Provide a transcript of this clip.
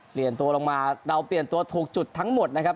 เปลี่ยนตัวลงมาเราเปลี่ยนตัวถูกจุดทั้งหมดนะครับ